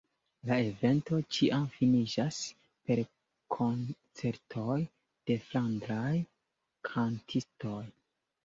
La evento ĉiam finiĝas per koncertoj de flandraj kantistoj.